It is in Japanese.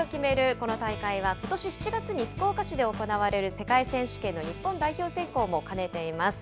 この大会はことし７月に、福岡市で行われる世界選手権の日本代表選考も兼ねています。